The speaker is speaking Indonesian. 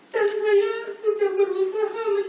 dan saya sudah berusaha mencari minuman lagi